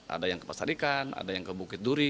ada yang ke pasar ikan ada yang ke bukit duri